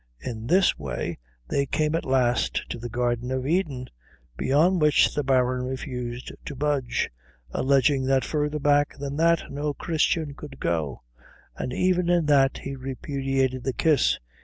In this way they came at last to the Garden of Eden, beyond which the Baron refused to budge, alleging that further back than that no Christian could go; and even in that he repudiated the kiss.